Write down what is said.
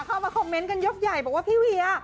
เข้ามาคอมเมนต์กันยกใหญ่บอกว่าพี่เวีย